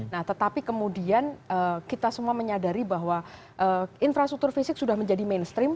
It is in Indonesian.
nah tetapi kemudian kita semua menyadari bahwa infrastruktur fisik sudah menjadi mainstream